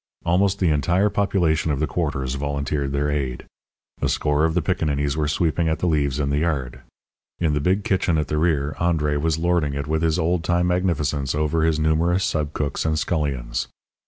Almost the entire population of the quarters volunteered their aid. A score of piccaninnies were sweeping at the leaves in the yard. In the big kitchen at the rear André was lording it with his old time magnificence over his numerous sub cooks and scullions.